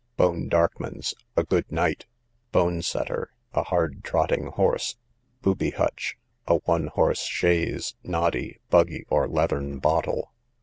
Bone Darkmans, a good night. Bone setter, a hard trotting horse. Booby hutch, a one horse chaise, noddy, buggy, or leathern bottle.